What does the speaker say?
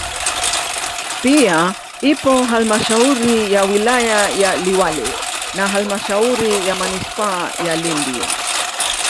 Pia ipo halmashauri ya wilaya ya Liwale na halmashauri ya manispaa ya Lindi